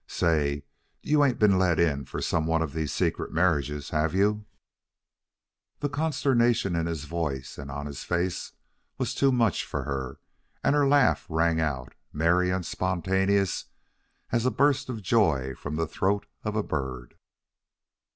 "Say, you ain't been let in for some one of these secret marriages have you?" The consternation in his voice and on his face was too much for her, and her laugh rang out, merry and spontaneous as a burst of joy from the throat of a bird.